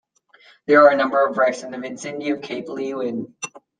There are a number of wrecks in the vicinity of Cape Leeuwin.